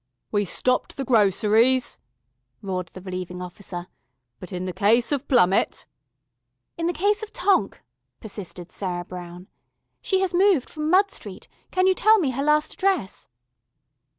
"We stopped the groceries," roared the Relieving Officer. "But in the case of Plummett " "In the case of Tonk " persisted Sarah Brown. "She has moved from Mud Street, can you tell me her last address?"